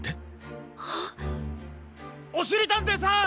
おしりたんていさん！